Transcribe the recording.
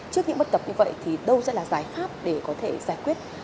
trước những bất cập như vậy thì đâu sẽ là giải pháp để có thể giải quyết